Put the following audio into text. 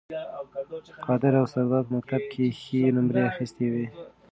قادر او سردار په مکتب کې ښې نمرې اخیستې وې